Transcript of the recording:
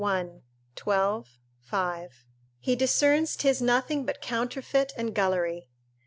12, 5.] he discerns 'tis nothing but counterfeit and gullery.